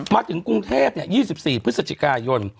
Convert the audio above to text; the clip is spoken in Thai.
มาถึงกรุงเทพ๒๔พฤศจิกายน